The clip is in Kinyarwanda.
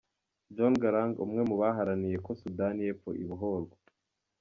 John Garang, umwe mu baharaniye ko Sudani y’Epfo ibohorwa.